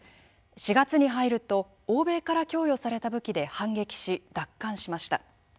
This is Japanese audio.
４月に入ると欧米から供与された武器で反撃し奪還しました。